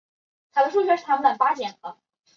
粉丝名为小狮子。